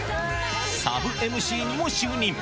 サブＭＣにも就任。